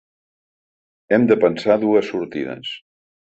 Hem de pensar dues sortides.